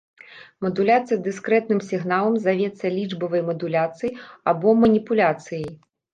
Мадуляцыя дыскрэтным сігналам завецца лічбавай мадуляцыяй або маніпуляцыяй.